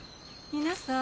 皆さん